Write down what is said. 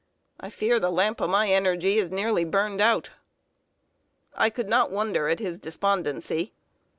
I fear the lamp of my energy is nearly burned out." I could not wonder at his despondency.